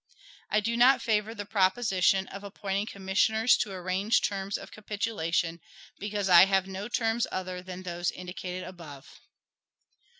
I do not favor the proposition of appointing commissioners to arrange terms of capitulation, because I have no terms other than those indicated above.